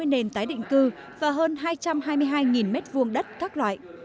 một trăm sáu mươi nền tái định cư và hơn hai trăm hai mươi hai m hai đất các loại